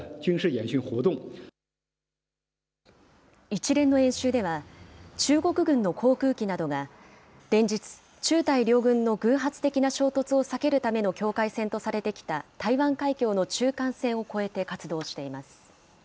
一連の演習では、中国軍の航空機などが、連日、中台両軍の偶発的な衝突を避けるための境界線とされてきた台湾海峡の中間線を越えて活動しています。